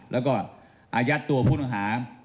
แล้วก็อายัดตัวผู้ต้องหา